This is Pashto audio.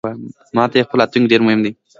ماته مې خپل راتلونکې ډیرمهم دی